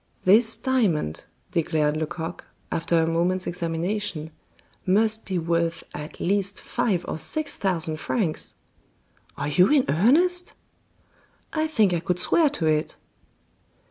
"This diamond," declared Lecoq, after a moment's examination, "must be worth at least five or six thousand francs." "Are you in earnest?" "I think I could swear to it."